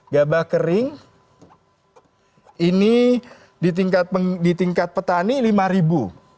gabah kering ini di tingkat petani rp lima